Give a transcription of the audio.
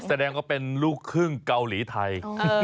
แสดงว่าเป็นลูกครึ่งเกาหลีไทย